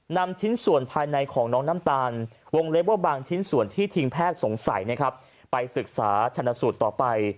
นำชิ้นส่วนภายในของน้องน้ำตาลวงเล็บเวอร์บางชิ้นส่วนที่ทีมแพทย์สงสัยนะครับไปศึกษาชนสูตรต่อไป